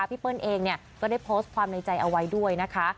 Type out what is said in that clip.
เปิ้ลเองก็ได้โพสต์ความในใจเอาไว้ด้วยนะคะ